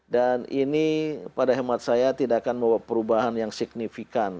dan ini pada hemat saya tidak akan membawa perubahan yang signifikan